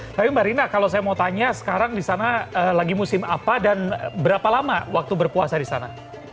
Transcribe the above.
tapi mbak rina kalau saya mau tanya sekarang di sana lagi musim apa dan berapa lama waktu berpuasa di sana